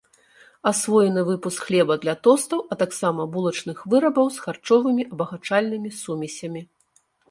Асвоены выпуск хлеба для тостаў, а таксама булачных вырабаў з харчовымі абагачальнымі сумесямі.